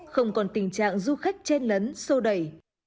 không còn tình trạng du khách chen lấn sô đẩy